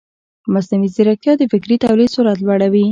مصنوعي ځیرکتیا د فکري تولید سرعت لوړوي.